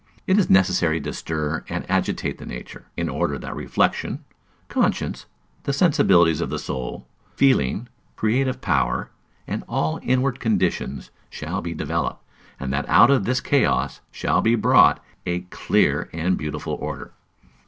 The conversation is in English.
It is necessary to stir and agitate the nature, in order that reflection, conscience, the sensibilities of the soul, feeling, creative power, and all inward conditions shall be developed; and that out of this chaos shall be brought a clear and beautiful order.